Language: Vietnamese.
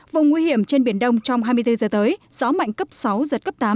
vùng nguy hiểm trên biển đông trong hai mươi bốn giờ tới gió mạnh cấp sáu giật cấp tám